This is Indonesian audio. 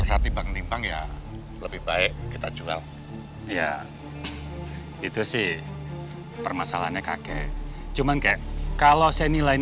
sampai jumpa di video selanjutnya